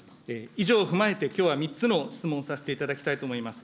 以上を踏まえて、きょうは３つの質問をさせていただきたいと思います。